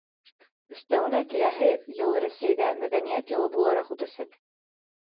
Өҫтәүенә, киләһе йыл Рәсәйҙә Мәҙәниәт йылы булараҡ үтәсәк.